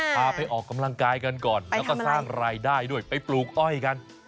พาไปออกกำลังกายกันก่อนแล้วก็สร้างรายได้ด้วยไปปลูกอ้อยกัน